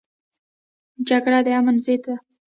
جګړه د امن ضد ده